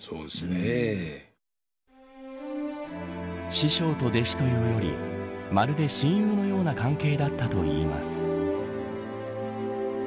師匠と弟子というよりまるで親友のような関係だったといいます。